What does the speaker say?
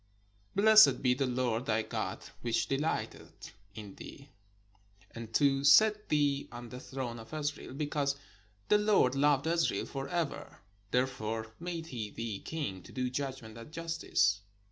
Blessed be the Lord thy 567 PALESTINE God, which dehghted in thee, to set thee on the throne of Israel: because the Lord loved Israel for ever, there fore made he thee king, to do judgment and justice."